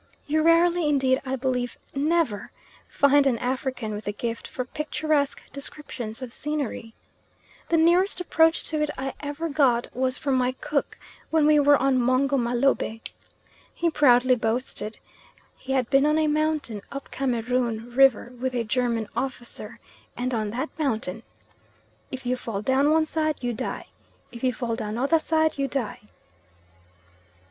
You rarely, indeed I believe never, find an African with a gift for picturesque descriptions of scenery. The nearest approach to it I ever got was from my cook when we were on Mungo mah Lobeh. He proudly boasted he had been on a mountain, up Cameroon River, with a German officer, and on that mountain, "If you fall down one side you die, if you fall down other side you die."